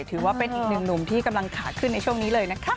ถือว่าเป็นอีกหนึ่งหนุ่มที่กำลังขาขึ้นในช่วงนี้เลยนะคะ